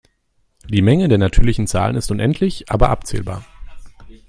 Die Menge der natürlichen Zahlen ist unendlich aber abzählbar.